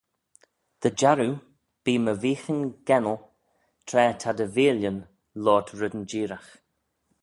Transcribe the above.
Dy jarroo, bee my veeghyn gennal, tra ta dty veillyn loayrt reddyn jeeragh.